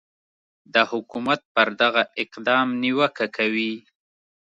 د حکومت پر دغه اقدام نیوکه کوي